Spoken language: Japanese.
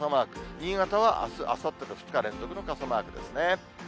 新潟はあす、あさってと２日連続の傘マークですね。